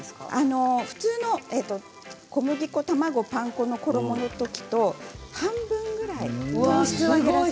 普通の小麦粉、卵、パン粉のコロッケと比べると半分ぐらい。